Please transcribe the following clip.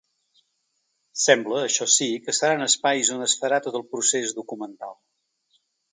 Sembla, això sí, que seran espais on es farà tot el procés documental.